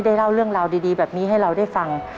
ได้เล่าเรื่องราวดีแบบนี้ให้เราได้ฟัง